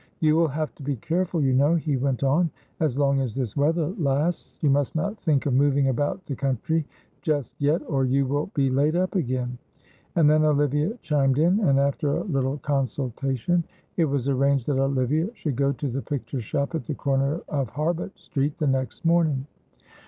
You will have to be careful, you know," he went on, "as long as this weather lasts. You must not think of moving about the country just yet or you will be laid up again," and then Olivia chimed in, and after a little consultation it was arranged that Olivia should go to the picture shop at the corner of Harbut Street the next morning.